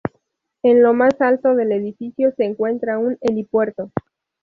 En lo más alto del edificio se encuentra un helipuerto.